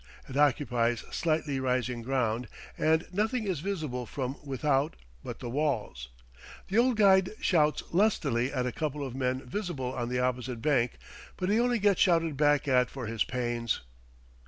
It occupies slightly rising ground, and nothing is visible from without but the walls. The old guide shouts lustily at a couple of men visible on the opposite bank; but he only gets shouted back at for his pains.